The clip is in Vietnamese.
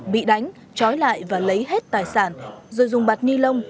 bị đánh trói lại và lấy hết tài sản rồi dùng bạt ni lông